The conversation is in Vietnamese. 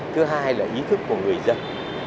thứ hai là ý thức của người dân